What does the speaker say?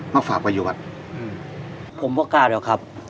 มักฝากประโยจน์อืมผมก็กล้าดว่าครับ